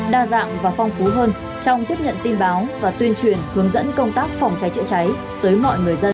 đa dạng và phong phú hơn trong tiếp nhận tin báo và tuyên truyền hướng dẫn công tác phòng cháy chữa cháy tới mọi người dân